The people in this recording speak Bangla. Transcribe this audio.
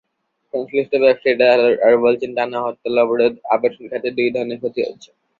সংশ্লিষ্ট ব্যবসায়ীরা আরও বলছেন, টানা হরতাল-অবরোধে আবাসন খাতের দুই ধরনের ক্ষতি হচ্ছে।